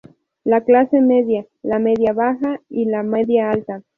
La clase media, la media baja, la media alta.